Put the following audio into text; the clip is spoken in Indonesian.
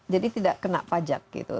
jadi tidak kena pajak gitu